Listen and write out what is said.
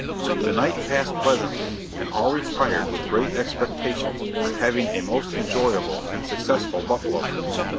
The night passed pleasantly, and all retired with great expectations of having a most enjoyable and successful buffalo hunt.